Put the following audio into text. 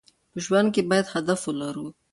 په ژوند کې باید هدف ولرو.